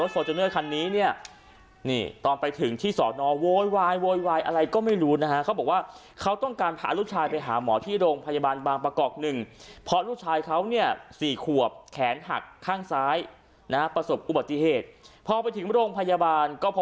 สี่ขวบแขนหักข้างซ้ายนะฮะ